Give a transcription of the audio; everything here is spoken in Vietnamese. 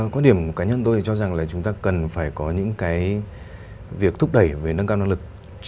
có điểm cá nhân tôi thì cho rằng chúng ta cần phải có những cái việc thúc đẩy hay nâng cao năng lực